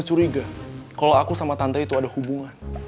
curiga kalau aku sama tante itu ada hubungan